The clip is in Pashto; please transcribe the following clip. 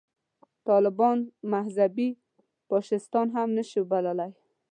طالبان مذهبي فاشیستان هم نه شو بللای.